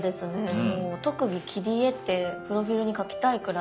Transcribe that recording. もう特技切り絵ってプロフィールに書きたいくらい。